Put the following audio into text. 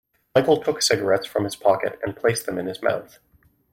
Michael took a cigarette from his pocket and placed it in his mouth.